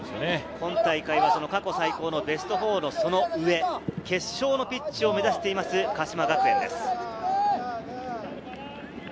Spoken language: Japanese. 今大会は過去最高のベスト４の上、決勝のピッチを目指している鹿島学園です。